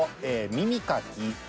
耳かき。